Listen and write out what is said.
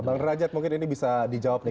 pak derajat mungkin ini bisa dijawab nih